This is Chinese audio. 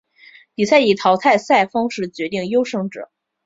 比赛以淘汰赛方式决定优胜者。